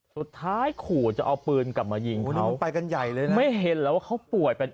สุดท้ายขู่จะเอาปืนกลับมายิงเขาไปกันใหญ่เลยไม่เห็นแล้วเขาป่วยเป็น